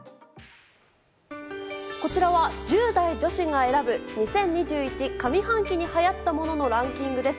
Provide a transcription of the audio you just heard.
こちらは１０代女子が選ぶ２０２１上半期にはやったもののランキングです。